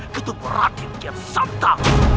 ketua ratim kirsanta